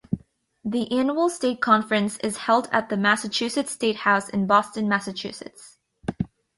The annual state conference is held at the Massachusetts State House in Boston, Massachusetts.